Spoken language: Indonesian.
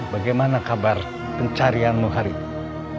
bagaimana kabar pencarianmu hari ini